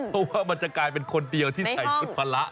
เพราะว่ามันจะกลายเป็นคนเดียวที่ใส่ชุดภาระ